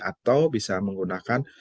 atau bisa menggunakan